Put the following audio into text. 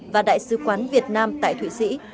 và đại sứ quán việt nam tại thụy sĩ